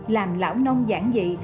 làm lão nông giảng dị